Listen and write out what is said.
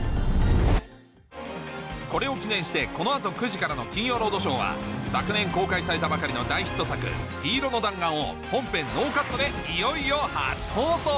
これを記念してこの後９時からの『金曜ロードショー』は昨年公開されたばかりの大ヒット作『緋色の弾丸』を本編ノーカットでいよいよ初放送！